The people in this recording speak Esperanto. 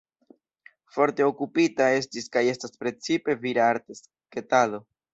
Forte okupita estis kaj estas precipe vira arta sketado.